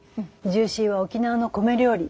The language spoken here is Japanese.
ジューシーは沖縄の米料理。